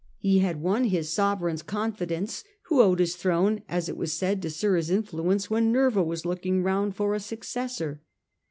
He had won his sovereign's confidence, who owed his throne, as it was said, to Sura's influence when Nerva was looking round for a successor.